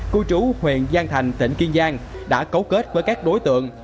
cư trú huyện giang thành tỉnh kiên giang đã cấu kết với các đối tượng